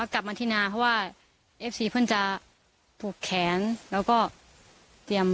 กลับมาที่นาเพราะว่าเอฟซีเพื่อนจะผูกแขนแล้วก็เตรียม